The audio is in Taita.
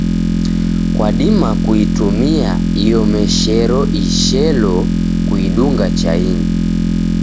Kwadima kuitumia iomeshero ishelo kuidunga chainyi.